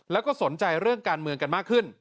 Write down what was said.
แล้วก็สนใจเรื่องการเมืองกันมากขึ้น